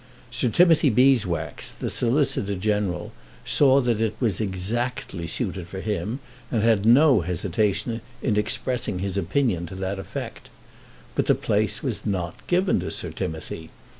Sir Timothy Beeswax, the Solicitor General, saw that it was exactly suited for him, and had no hesitation in expressing his opinion to that effect. But the place was not given to Sir Timothy.